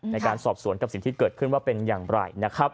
ในการสอบสวนกับสิ่งที่เกิดขึ้นว่าเป็นอย่างไรนะครับ